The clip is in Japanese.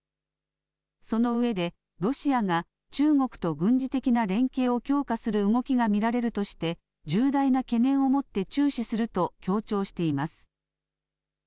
そのうえでロシアが中国と軍事的な連携を強化する動きが見られるとして重大な懸念をもって注視すると強調しています。